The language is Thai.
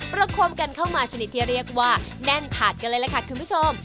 ประคมกันเข้ามาชนิดที่เรียกว่าแน่นถาดกันเลยล่ะค่ะคุณผู้ชม